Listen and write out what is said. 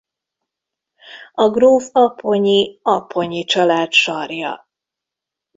A gróf apponyi Apponyi család sarja.